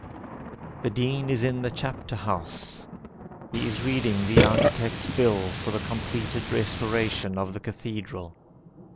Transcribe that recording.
The Dean is in the Chapter House; He is reading the architect's bill For the completed restoration of the Cathedral.